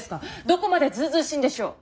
どこまでずうずうしいんでしょう。